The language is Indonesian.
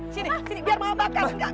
sini biar maafkan